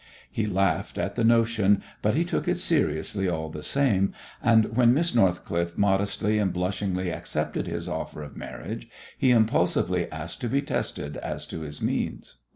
He laughed at the notion, but he took it seriously all the same, and when Miss Northcliffe modestly and blushingly accepted his offer of marriage he impulsively asked to be tested as to his means.